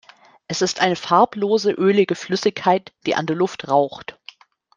Es ist eine farblose, ölige Flüssigkeit, die an der Luft raucht.